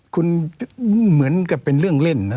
คุณเหมือนกับเป็นเรื่องเล่นนะ